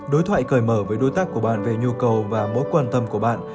đối thoại cởi mở với đối tác của bạn về nhu cầu và mối quan tâm của bạn